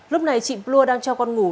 lúc này chị plua đang cho con ngủ